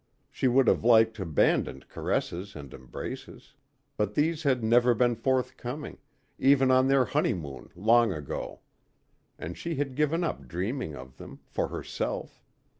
She would have liked abandoned caresses and embraces. But these had never been forthcoming, even on their honeymoon long ago. And she had given up dreaming of them for herself.